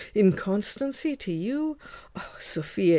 Inconstancy to you! O Sophia!